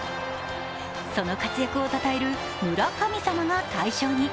その活躍をたたえる村神様が大賞に。